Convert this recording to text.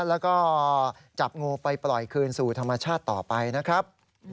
แล้วก็จับงูไปปล่อยคืนสู่ธรรมชาติต่อไปนะครับ